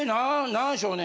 なんでしょうね？